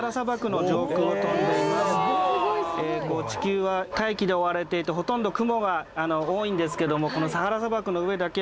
地球は大気で覆われていてほとんど雲が多いんですけどもこのサハラ砂漠の上だけはいつ通っても晴れています。